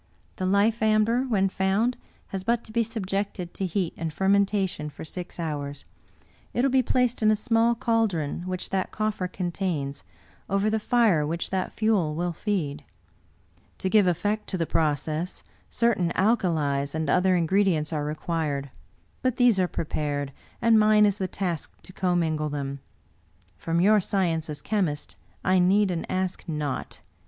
The life amber, when found, has but to be subjected to heat and fermentation for six hours ; it will be placed in a small caldron which that coffer contains, over the fire which that fuel will feed. To give effect to the process, certain alkalies and other ingredients are required; but these are prepared, and mine is the task to commingle them. From your sci ence as chemist I need and ask naught.